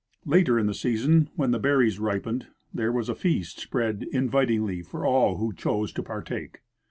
Later in the season, Avhen the berries ripened, there Avas a feast spread invit ingly for all Avho chose to partake.